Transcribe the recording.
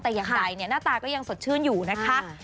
แต่อย่างใดหน้าตาก็ยังสดชื่นอยู่นะคะ